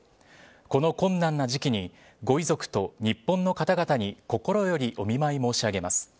この困難な時期にご遺族と日本の方々に心よりお見舞い申し上げます。